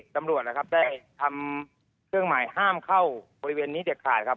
ตำรวจนะครับได้ทำเครื่องหมายห้ามเข้าบริเวณนี้เด็ดขาดครับ